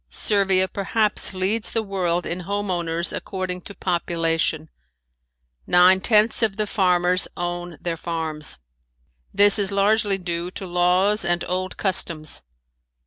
Servia perhaps leads the world in home owners according to population. Nine tenths of the farmers own their farms. This is largely due to laws and old customs.